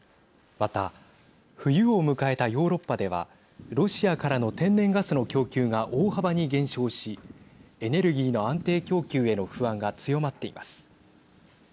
また冬を迎えたヨーロッパではロシアからの天然ガスの供給が大幅に減少しエネルギーの安定供給への不安が強まっています。